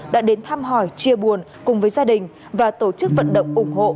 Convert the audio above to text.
đã đến thăm hỏi chia buồn cùng với gia đình và tổ chức vận động ủng hộ